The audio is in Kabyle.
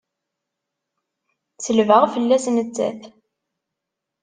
Selbeɣ fell-as nettat!